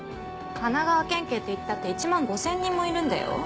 神奈川県警っていったって１万５０００人もいるんだよ？